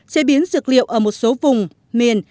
chế biến dược liệu ở một số vùng miền